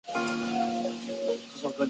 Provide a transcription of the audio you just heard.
曾与张佛泉创办独立时论社。